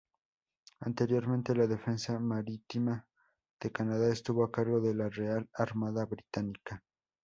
Anteriormente, la defensa marítima de Canadá estuvo a cargo de la Real Armada Británica.